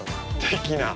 的な。